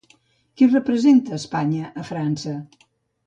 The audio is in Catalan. Qui representa Espanya a França?